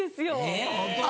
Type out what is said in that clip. えっホントに？